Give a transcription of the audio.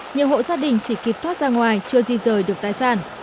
nhiều hộ gia đình chỉ kịp thoát ra ngoài chưa di rời được tài sản